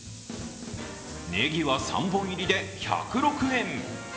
ねぎは３本入りで１０６円。